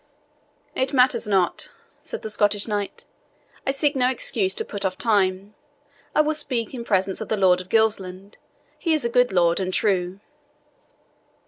"It matters not," said the Scottish knight; "I seek no excuse to put off time. I will speak in presence of the Lord of Gilsland. He is good lord and true."